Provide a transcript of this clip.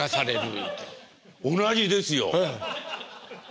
同じですよ！